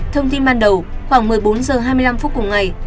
thông tin ban đầu khoảng một mươi bốn h hai mươi năm phút cùng ngày